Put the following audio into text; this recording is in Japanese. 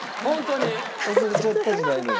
「忘れちゃった」じゃないのよ。